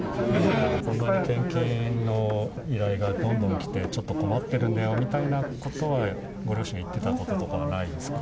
こんなに献金の依頼がどんどん来て、ちょっと困ってるんだよみたいなことは、ご両親が言ってたことはないですか？